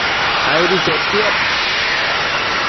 aidi chetiad